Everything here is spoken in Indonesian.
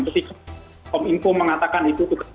pemimpin mengatakan itu juga